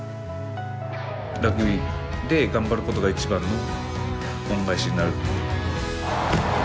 ラグビーで頑張ることが一番の恩返しになる。